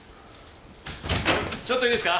ちょっといいですか？